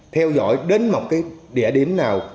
theo dõi đến một cái địa điểm nào